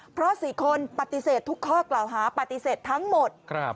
เพราะ๔คนปฏิเสธทุกข้อกล่าวหาปฏิเสธทั้งหมด